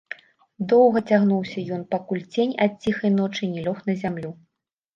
Доўга цягнуўся ён, пакуль цень ад ціхай ночы не лёг на зямлю.